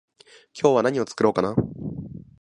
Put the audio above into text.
今日は何を作ろうかな？